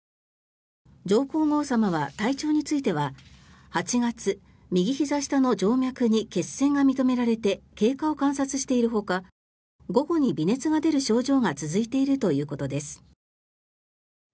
上皇后さまは体調については８月、右ひざ下の静脈に血栓が認められて経過を観察しているほか午後に微熱が出る症状が続いているということです。